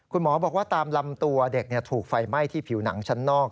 คุณหมอบอกว่าตามลำตัวเด็กถูกไฟไหม้ที่ผิวหนังชั้นนอก